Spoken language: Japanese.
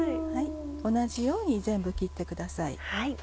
同じように全部切ってください。